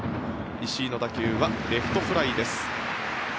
石井の打球はレフトフライです。